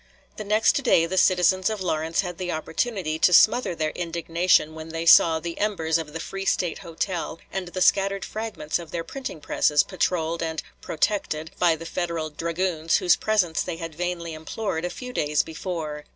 The next day the citizens of Lawrence had the opportunity to smother their indignation when they saw the embers of the Free State Hotel and the scattered fragments of their printing presses patrolled and "protected" by the Federal dragoons whose presence they had vainly implored a few days before.